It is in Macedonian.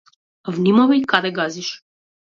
Внимавај каде газиш!